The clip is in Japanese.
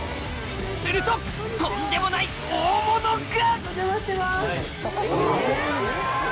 するととんでもない大物が！